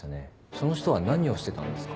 その人は何をしてたんですか？